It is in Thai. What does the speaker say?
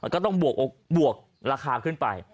ก็ต้องบวกราคาขึ้นไป